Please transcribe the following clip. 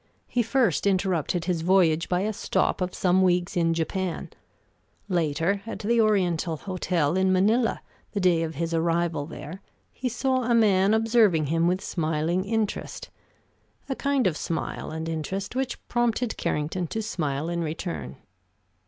He first interrupted his voyage by a stop of some weeks in Japan. Later, at the Oriental Hotel in Manila, the day of his arrival there, he saw a man observing him with smiling interest, a kind of smile and interest which prompted Carrington to smile in return.